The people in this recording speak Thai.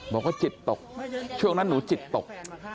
บอกว่าจิตตกช่วงนั้นหนูจิตตก